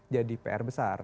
jadi pr besar